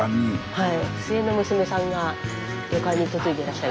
はい。